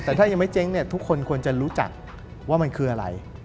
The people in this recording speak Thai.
แต่ถ้ายังไม่เจ๊งเนี่ยทุกคนควรจะรู้จักว่ามันคืออะไร